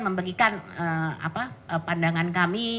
memberikan pandangan kami